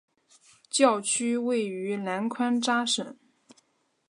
教区位于南宽扎省。